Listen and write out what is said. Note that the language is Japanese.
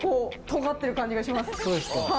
とがってる感じがします。